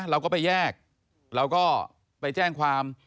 เราก็ไปแยกเราก็ไปแจ้งความ